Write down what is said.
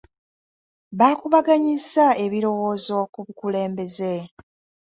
Baakubaganyizza ebirowoozo ku bukulembeze.